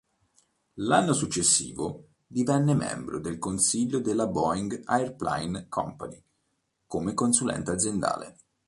L’anno successivo divenne membro del Consiglio della Boeing Airplane Company come consulente aziendale.